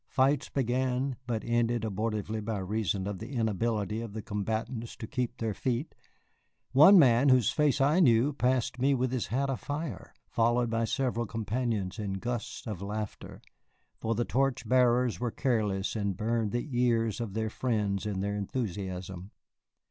Fights began, but ended abortively by reason of the inability of the combatants to keep their feet; one man whose face I knew passed me with his hat afire, followed by several companions in gusts of laughter, for the torch bearers were careless and burned the ears of their friends in their enthusiasm.